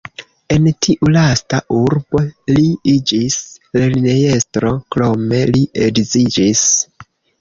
En tiu lasta urbo li iĝis lernejestro, krome li edziĝis.